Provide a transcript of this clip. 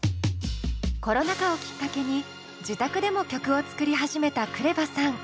コロナ禍をきっかけに自宅でも曲を作り始めたＫＲＥＶＡさん。